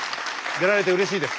出られてうれしいです。